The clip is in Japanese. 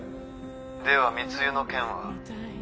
「では密輸の件は」。